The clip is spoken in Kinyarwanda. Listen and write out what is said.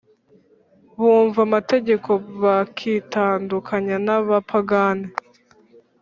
Bumva amategeko bakitandukanya n abapagani